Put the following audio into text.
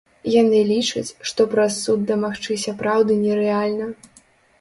Яны лічаць, што праз суд дамагчыся праўды нерэальна.